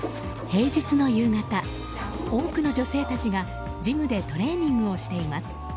平日の夕方、多くの女性たちがジムでトレーニングをしています。